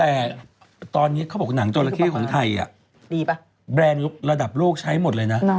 แต่ตอนนี้เขาบอกหนังจราเข้ของไทยดีป่ะแบรนด์ระดับโลกใช้หมดเลยนะ